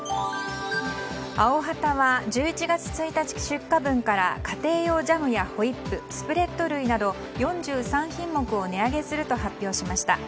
アヲハタは１１月１日出荷分から家庭用ジャムやホイップスプレット類など４３品目を値上げすると発表しました。